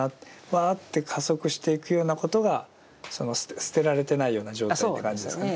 わって加速していくようなことがその捨てられてないような状態って感じですかね。